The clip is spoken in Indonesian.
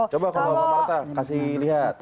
coba umar marta kasih lihat